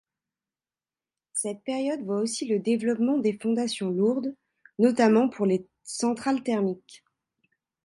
Cette période voit aussi le développement des fondations lourdes, notamment pour les centrales thermiques.